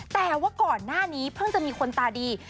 แต่ว่าก่อนหน้านี้เพิ่งจะมีคนตาดี